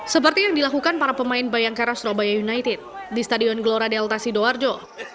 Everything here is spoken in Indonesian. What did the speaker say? seperti yang dilakukan para pemain bayangkara surabaya united di stadion gelora delta sidoarjo